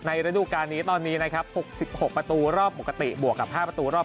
ในระดูกการณ์นี้ตอนนี้นะครับหกสิบหกประตูรอบปกติบวกกับห้าประตูรอบ